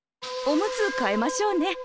おむつ替えましょうね。